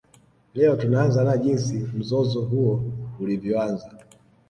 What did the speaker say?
Leo tunaanza na jinsi mzozo huo ulivyoanza